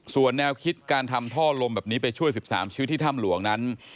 ส่วนแนวคิดการทำท่อลมแบบนี้ไปช่วย๑๓ชีวิตที่ถ้ำหลวงนั้น